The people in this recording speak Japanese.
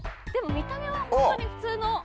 でも見た目はホントに普通の。